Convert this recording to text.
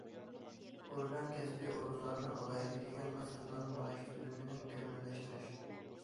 ئورگان، كەسپىي ئورۇنلارنىڭ ئالاھىدىلىكىگە ماس كېلىدىغان مائاش تۈزۈمىنى مۇكەممەللەشتۈرۈش.